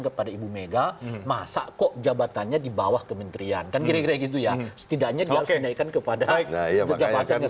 kepada ibu mega masa kok jabatannya di bawah kementerian kan kira kira gitu ya setidaknya dia harus dinaikkan kepada jabatannya